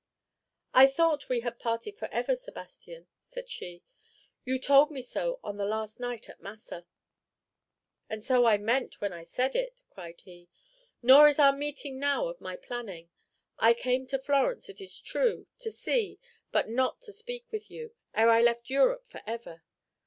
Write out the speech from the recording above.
"I thought we had parted forever, Sebastian," said she; "you told me so on the last night at Massa." "And so I meant when I said it," cried he; "nor is our meeting now of my planning. I came to Florence, it is true, to see, but not to speak with you, ere I left Europe forever.